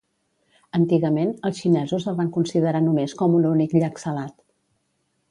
Antigament, els xinesos el van considerar només com un únic llac salat.